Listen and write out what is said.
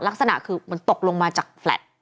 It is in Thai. ลักษณะคือมันตกลงมาจากแฟลต์